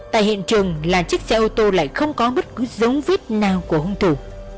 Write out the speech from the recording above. tại hiện trường là chiếc xe ô tô lại không có bất cứ dấu viết nào của hùng thủ